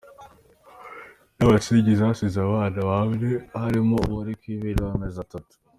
Nyirabasangiza asize abana bane harimo uwari ku ibere w’amezi atatu.